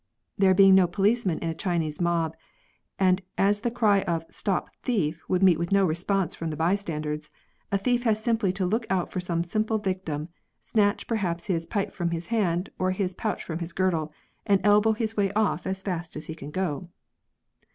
There being no policemen in a Chinese mob, and as the cry of '* stop thief " would meet with no response from the bystanders, a thief has simply to look out for some simple victim, snatch perhaps his pipe from his hand, or his pouch from his girdle, and elbow his way off as fast as he can go.